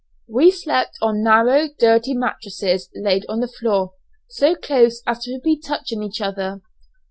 We slept on narrow dirty mattresses, laid on the floor, so close as to be touching each other.